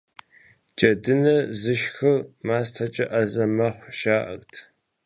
Джэдынэ зышхыр мастэнэкӀэ Ӏэзэ мэхъу, жаӀэрт.